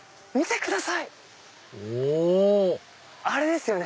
あれですよね。